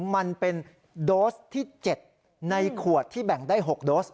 มันเป็นโดสที่๗ในขวดที่แบ่งได้๖โดส